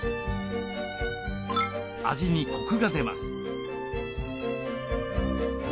味にコクが出ます。